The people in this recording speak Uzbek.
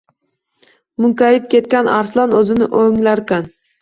Munkayib ketgan arslon o‘zini o‘nglarkan